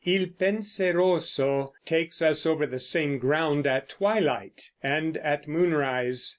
"Il Penseroso" takes us over the same ground at twilight and at moonrise.